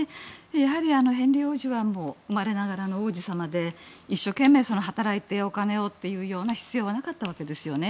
やはりヘンリー王子はもう生まれながらの王子様で一生懸命働いてお金をというような必要はなかったわけですよね。